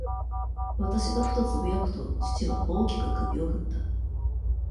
私がふとつぶやくと、父は、大きく首をふった。